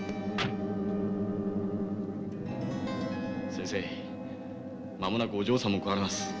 先生間もなくお嬢さんも来られます。